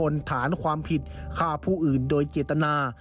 ในการจับผู้หาตัว